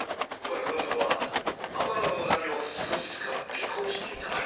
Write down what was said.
つまりこの男は天野もなみを数日間尾行していた。